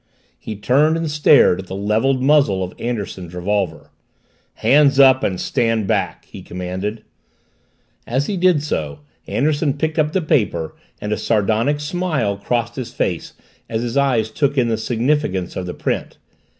He turned, and stared at the leveled muzzle of Anderson's revolver. "Hands up and stand back!" he commanded. As he did so Anderson picked up the paper and a sardonic smile crossed his face as his eyes took in the significance of the print.